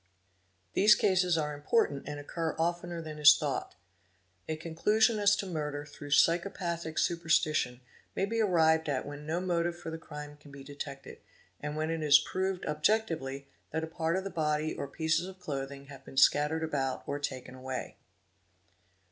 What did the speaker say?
These cases are impor _ tant and occur oftener than is thought 2", A conclusion as to murder ' through psychopathic superstition may be arrived at when tio motive for _ the crime can be detected, and when it is proved objectively that a part at of the body or pieces of clothing have been scattered about or taken — away.